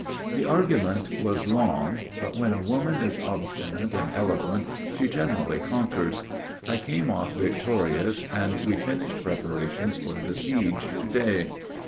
The argument was long, but when a woman is obstinate and eloquent, she generally conquers. I came off victorious, and we finished preparations for the siege to day.